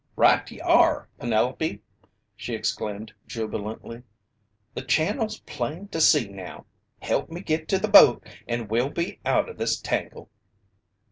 "Right ye are, Penelope!" she exclaimed jubilantly. "The channel's plain to see now! Help me git to the boat, and we'll be out o' this tangle."